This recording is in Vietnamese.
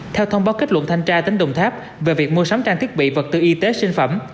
theo thông báo kết luận thanh tra tỉnh đồng tháp về việc mua sắm trang thiết bị vật tư y tế sinh phẩm